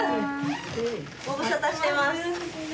ご無沙汰してます。